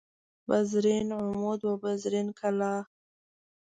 بزرین عمود و بزرین کلاه